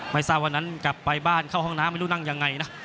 ไม่ทราบวันนั้นกลับไปบ้านเข้าห้องน้ำไม่รู้นั่งยังไงนะ